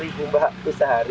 enam puluh ribu mbak terus sehari